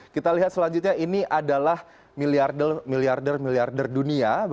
kita lihat selanjutnya ini adalah miliarder miliarder dunia